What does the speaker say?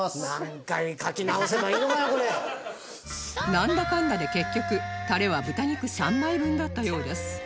なんだかんだで結局タレは豚肉３枚分だったようです